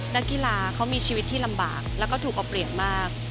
นักกีฬาเขามีชีวิตที่ลำบากแล้วก็ถูกเอาเปรียบมาก